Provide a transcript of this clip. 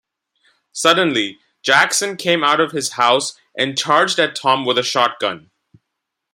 Suddenly, Jackson came out of his house and charged at Tom with a shotgun.